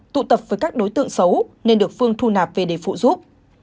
tụ tập với các đối tượng xấu nên được phương thu nạp về để phụ giúp